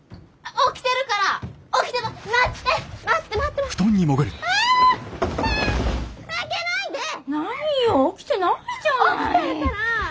起きてるから！